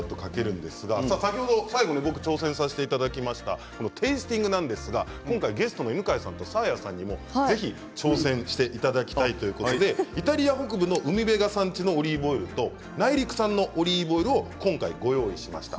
最後に僕が挑戦させていただいたテースティングなんですがゲストの犬飼さんとサーヤさんにも挑戦していただきたいということでイタリア北部の海辺が産地のオリーブオイルと内陸産のオリーブオイルをご用意しました。